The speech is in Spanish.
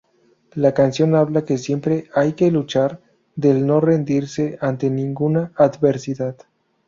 La canción habla que siempre hay que luchar, del no rendirse ante ninguna adversidad.